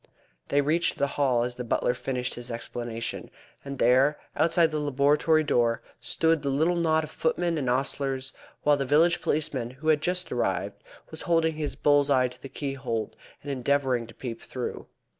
They reached the Hall as the butler finished his explanation, and there outside the laboratory door stood the little knot of footmen and ostlers, while the village policeman, who had just arrived, was holding his bull's eye to the keyhole, and endeavouring to peep through.